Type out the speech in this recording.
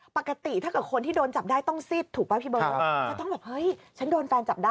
พี่เบิร์ดจริงเหรอ